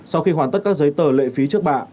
sau khi hoàn tất các giấy tờ lệ phí trước bạ